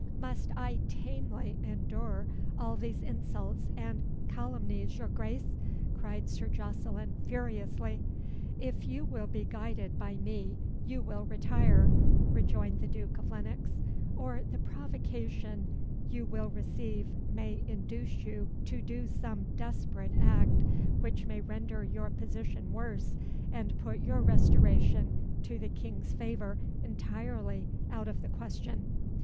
"Must I tamely endure all these insults and calumnies, your Grace?" cried Sir Jocelyn furiously. "If you will be guided by me, you will retire," rejoined the Duke of Lennox; "or the provocation you will receive may induce you to do some desperate act which may render your position worse, and put your restoration to the King's favour entirely out of the question."